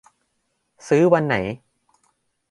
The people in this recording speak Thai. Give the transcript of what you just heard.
ซื้อวันไหน